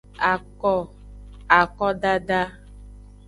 Ako, akodada.